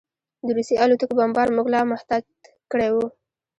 د روسي الوتکو بمبار موږ لا محتاط کړي وو